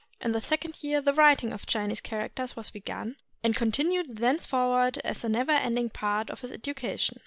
In the second year the writing of Chinese characters was begun, and continued thenceforward as a never ending part of his education.